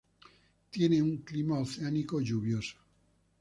Tiene un clima oceánico lluvioso.